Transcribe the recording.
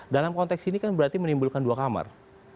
dalam konteks ini kan berarti menimbulkan dua kamar